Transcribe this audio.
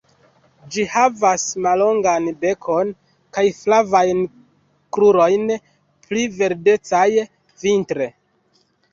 Ĝi havas mallongan bekon kaj flavajn krurojn -pli verdecaj vintre-.